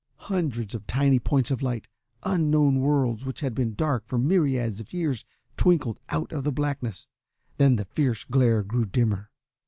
Hundreds of tiny points of light, unknown worlds which had been dark for myriads of years, twinkled out of the blackness. Then the fierce glare grew dimmer.